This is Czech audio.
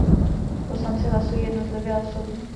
Poslanci hlasují jednotlivě a osobně.